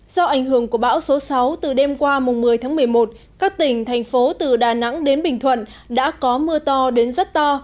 do ảnh hưởng của bão số sáu từ đêm qua một mươi một mươi một các tỉnh thành phố từ đà nẵng đến bình thuận đã có mưa to đến rất to